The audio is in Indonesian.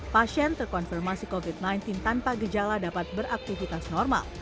pasien terkonfirmasi covid sembilan belas tanpa gejala dapat beraktivitas normal